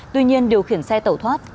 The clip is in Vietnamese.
tuy nhiên điều khiển xe tẩu thoát